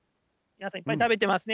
皆さん、いっぱい食べてますね。